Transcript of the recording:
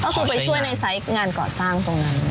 ก็คือไปช่วยในไซส์งานก่อสร้างตรงนั้น